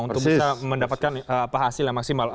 untuk bisa mendapatkan hasil yang maksimal